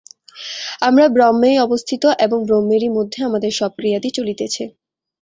আমরা ব্রহ্মেই অবস্থিত এবং ব্রহ্মেরই মধ্যে আমাদের সব ক্রিয়াদি চলিতেছে।